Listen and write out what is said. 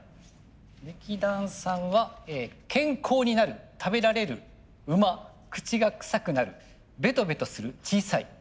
劇団さんは「健康になる食べられる」「馬口がくさくなる」「ベトベトする小さい」。